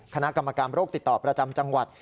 คณะกรรมการโรคติดต่อประจำจังหวัด